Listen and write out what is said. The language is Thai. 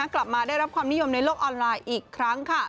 กลับมาได้รับความนิยมในโลกออนไลน์อีกครั้งค่ะ